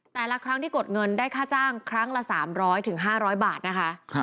แต่ละครั้งที่กดเงินได้ค่าจ้างครั้งละ๓๐๐๕๐๐บาทนะคะ